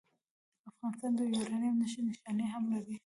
افغانستان د یورانیم نښې نښانې هم لري.